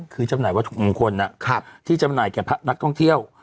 คือจำหน่ายวัตถุมงคลที่จำหน่ายแก่พระนักท่องเที่ยว